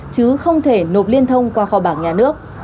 chứ không thể nộp liên thông qua kho bạc nhà nước